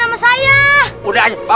bawa ke kantor polisi pak